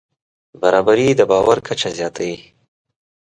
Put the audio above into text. برابري د باور کچه زیاتوي.